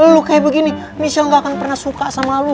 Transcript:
lu kayak begini michel gak akan pernah suka sama lu